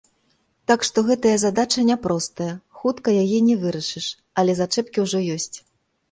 Так што гэтая задача няпростая, хутка яе не вырашыш, але зачэпкі ўжо ёсць.